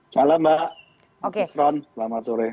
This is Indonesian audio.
salam mbak nusron selamat sore